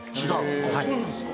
あっそうなんですか。